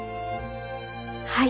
はい。